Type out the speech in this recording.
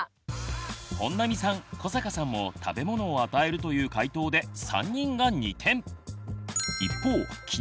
本並さん古坂さんも食べ物を与えるという解答で３人が２点。